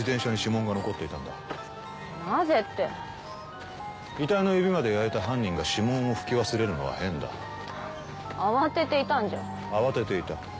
なぜって遺体の指まで焼いた犯人が指紋を拭き忘れるのは変だ慌てていたんじゃ慌てていた？